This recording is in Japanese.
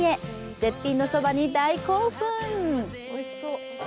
絶品のそばに大興奮。